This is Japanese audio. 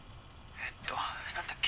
えっと何だっけ？